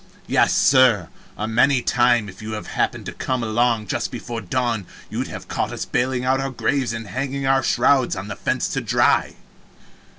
Yes, sir, many a time if you had happened to come along just before the dawn you'd have caught us bailing out the graves and hanging our shrouds on the fence to dry.